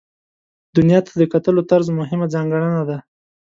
دنیا ته د کتلو طرز مهمه ځانګړنه ده.